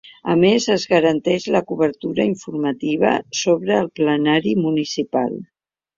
A més, es garanteix la cobertura informativa sobre el plenari municipal.